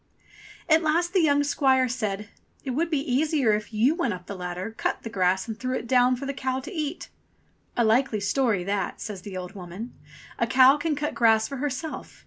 At last the young squire said, "It would be easier if you went up the ladder, cut the grass, and threw it down for the cow to eat." *'A likely story that," says the old woman. "A cow can cut grass for herself.